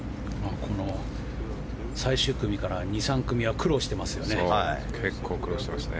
最終組から２３組は結構、苦労してますね。